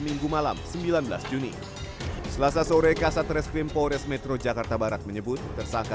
minggu malam sembilan belas juni selasa sore kasatreskrim forest metro jakarta barat menyebut tersangka